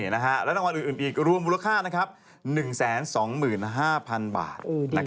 และรางวัลอื่นอีกรวมมูลค่า๑๒๕๐๐๐บาท